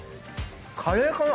カレーかな？